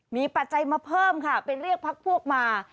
มีปัจจัยมาเพิ่มค่ะไปเรียกพักพวกมา